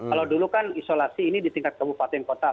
kalau dulu kan isolasi ini di tingkat kabupaten kota